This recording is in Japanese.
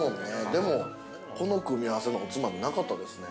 でも、この組み合わせのおつまみなかったですね。